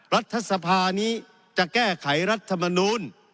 รัฐสภานี้จะแก้ไขรัฐมนูล